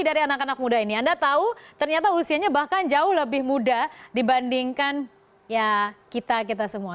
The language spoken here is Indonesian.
dari anak anak muda ini anda tahu ternyata usianya bahkan jauh lebih muda dibandingkan ya kita kita semua